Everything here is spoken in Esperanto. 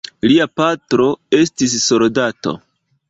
Lia patro estis soldato.